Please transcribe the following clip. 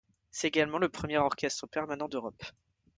C’est également le premier orchestre permanent d’Europe.